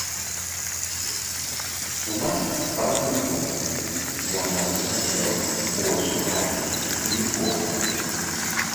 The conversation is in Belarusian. У нас з кадрамі добра, я нават не хацела б больш браць нікога.